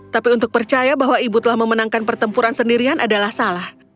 tapi untuk percaya bahwa ibu telah memenangkan pertempuran sendirian adalah salah